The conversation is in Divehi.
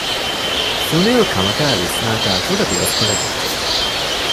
ސުނިލް ކަމަކާއި ވިސްނާތާކުޑަ ދުވަސްކޮޅެއް ވެއްޖެ